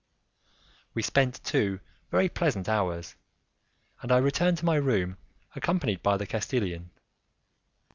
We spent two very pleasant hours, and I returned to my room accompanied by the Castilian.